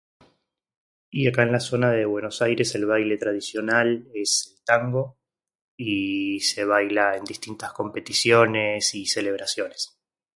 "Y acá, en la zona de Buenos Aires, el baile tradicional es ""tango"" y se baila en distintas competiciones y celebraciones."